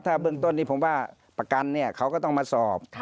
ถ้าเบื้องต้นนี้ผมว่าประกันเขาก็ต้องมาสอบ